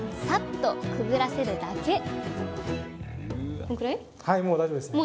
サッとくぐらせるだけ！